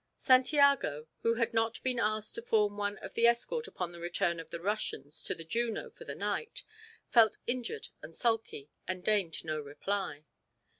Santiago, who had not been asked to form one of the escort upon the return of the Russians to the Juno for the night, felt injured and sulky and deigned no reply.